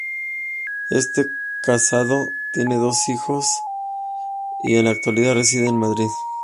Está casado, tiene dos hijos y en la actualidad reside en Madrid.